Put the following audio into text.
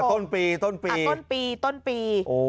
ต้นปีต้นปี